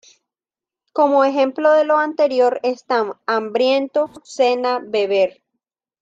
Como ejemplo de lo anterior están: 飢, ‘hambriento’; 飧, ‘cena’; 飲, ‘beber’.